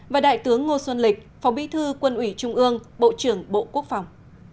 và đại tướng ngô xuân lịch phó bí thư quân ủy trung ương bộ trưởng bộ quốc phòng